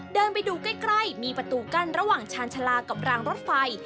เดินไปดูใกล้มีประตูกั้นระหว่างชาญชาลากับรางรถไฟ